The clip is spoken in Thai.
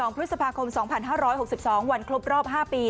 พฤษภาคม๒๕๖๒วันครบรอบ๕ปี